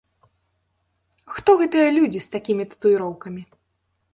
Хто гэтыя людзі з такімі татуіроўкамі?